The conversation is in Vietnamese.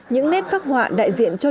những nét phát họa đại diện cho